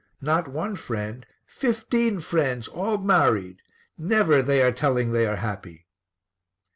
Not one friend; fifteen friends, all married. Never they are telling they are happy."